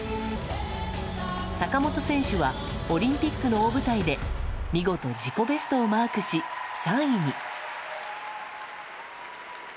坂本選手はオリンピックの大舞台で見事、自己ベストをマークし３位に。